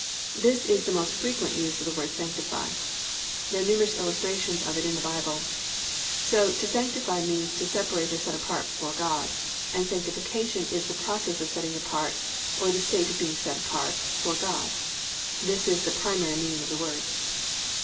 This is the most frequent use of the word sanctify. There are numerous illustrations of it in the Bible. So _to sanctify means to separate or set apart for God; and Sanctification is the process of setting apart or the state of being set apart for God_. This is the primary meaning of the words.